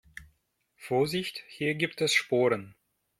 Vorsicht, hier gibt es Sporen.